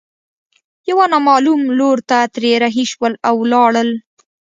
يوه نامعلوم لور ته ترې رهي شول او ولاړل.